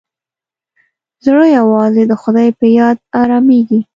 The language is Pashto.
زړه یوازې د خدای په یاد ارامېږي.